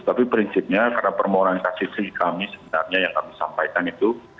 tapi prinsipnya karena permohonan kc kami sebenarnya yang kami sampaikan itu